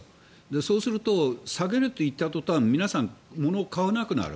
そうすると下げるといった途端皆さん、物を買わなくなる。